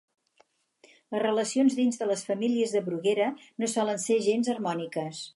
Les relacions dins de les famílies de Bruguera no solen ser gens harmòniques.